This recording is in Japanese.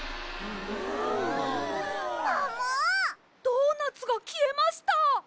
ドーナツがきえました！